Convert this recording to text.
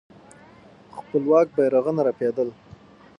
خپلواک بيرغونه رپېدل.